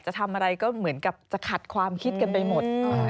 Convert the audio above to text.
จะทำอะไรก็เหมือนกับจะขัดความคิดกันไปหมด